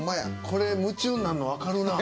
これ夢中になんのわかるな。